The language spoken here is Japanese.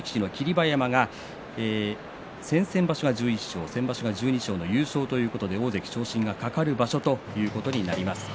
馬山先々場所が１１勝先場所は１２勝で優勝ということで大関昇進が懸かる場所となります。